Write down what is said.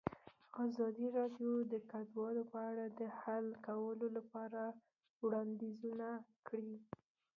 ازادي راډیو د کډوال په اړه د حل کولو لپاره وړاندیزونه کړي.